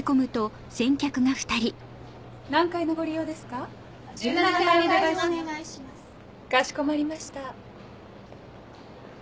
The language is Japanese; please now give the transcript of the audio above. かしこまりました。